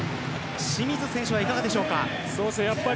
清水選手はいかがでしょうか。